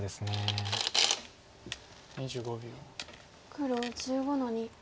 黒１５の二。